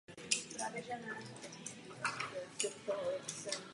Ještě větší pozornost věnoval dalšímu sídlu v Newlinstonu nedaleko od Edinburghu.